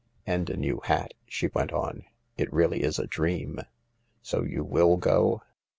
"And a new hat," she went on. " It really is a dream. So you mil go